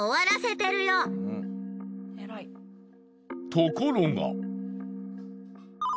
ところが。